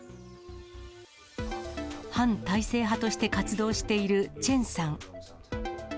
反体制派として活動しているチェンさん。